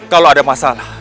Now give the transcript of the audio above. kalau ada masalah